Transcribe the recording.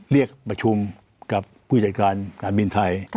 เรียกประชุมกับผู้จัดการการบินไทย